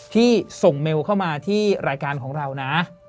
ที่ส่งเมลเข้ามาที่รายการของเรานะ